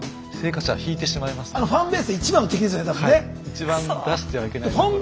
一番出してはいけないところです。